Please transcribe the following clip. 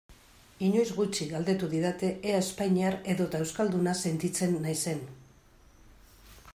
Inoiz gutxi galdetu didate ea espainiar edota euskalduna sentitzen naizen.